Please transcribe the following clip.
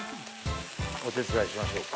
お手伝いしましょうか。